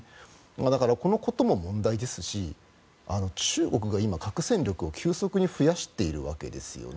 だから、このことも問題ですし中国が今、核戦力を急速に増やしているわけですよね。